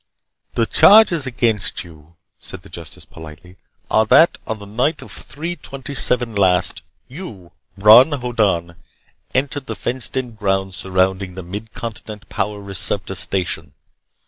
"The charges against you," said the justice politely, "are that on the night of Three Twenty seven last, you, Bron Hoddan, entered the fenced in grounds surrounding the Mid Continent power receptor station.